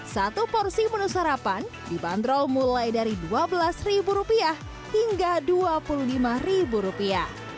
satu porsi menu sarapan dibanderol mulai dari dua belas rupiah hingga dua puluh lima rupiah